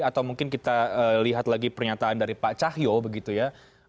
atau mungkin kita lihat lagi pernyataan dari pak cahyo begitu ya